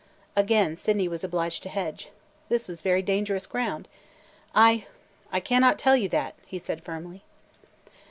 Again Sydney was obliged to hedge. This was very dangerous ground. "I – I cannot tell you that!" he said firmly.